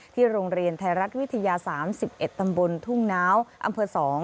โรงเรียนไทยรัฐวิทยา๓๑ตำบลทุ่งน้าวอำเภอ๒